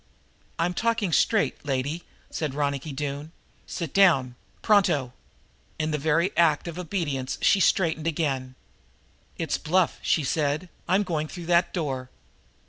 "I'm talking straight, lady," said Ronicky Doone. "Sit down pronto!" In the very act of obedience she straightened again. "It's bluff," she said. "I'm going through that door!"